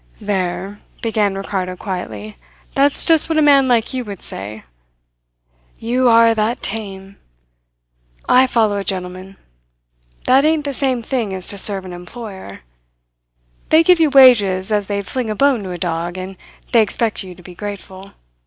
"There!" began Ricardo quietly. "That's just what a man like you would say. You are that tame! I follow a gentleman. That ain't the same thing as to serve an employer. They give you wages as they'd fling a bone to a dog, and they expect you to be grateful.